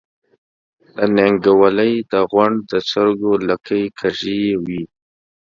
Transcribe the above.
د نينګوَلۍ د غونډ د چرګو لکۍ کږې وي۔